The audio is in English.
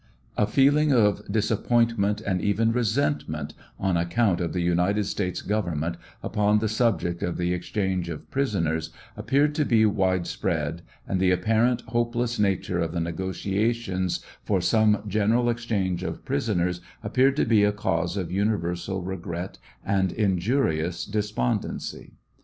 179 A feeling of disappointment and even resentment on account of the United States Government upon the subject of the exchange of pris oners, appeared to be widespread, and the apparent hopeless nature of the negotiations for some general exchange of prisoners appeared to be a cause of universal regret and injurious despondency.